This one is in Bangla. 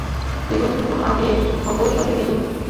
দুই বছর আগে অবসরে গেছেন, তবে এখনো অবসর ভাতার টাকা তুলতে পারেননি।